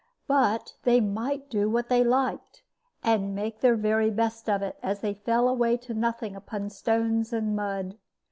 But they might do what they liked, and make their very best of it, as they fell away to nothing upon stones and mud.